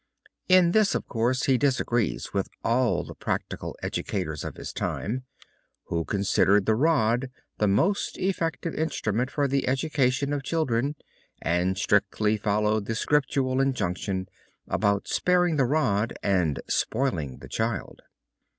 In this, of course, he disagrees with all the practical educators of his time, who considered the rod the most effective instrument for the education of children and strictly followed the scriptural injunction about sparing the rod and spoiling the child.